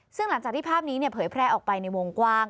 ซึ่งหลังจากที่ภาพนี้เผยแพร่ออกไปในวงกว้าง